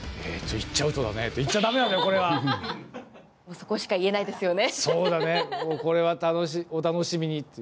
そこしか言えないですよね。